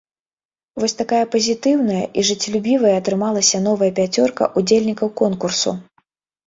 Вось такая пазітыўная і жыццелюбівая атрымалася новая пяцёрка ўдзельнікаў конкурсу.